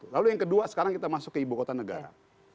lalu yang kedua sekarang kita masuk ke ibukota negara